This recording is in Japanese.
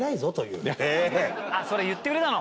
あっそれ言ってくれたの？